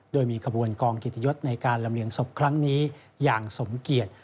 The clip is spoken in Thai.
โดยมีขบวนกองกิจยศในการลำเลียงศพครั้งนี้อย่างสมเกียจ